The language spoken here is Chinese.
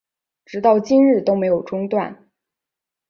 直到今日都没有中断